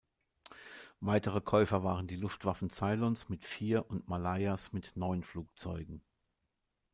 Weitere Käufer waren die Luftwaffen Ceylons mit vier und Malayas mit neun Flugzeugen.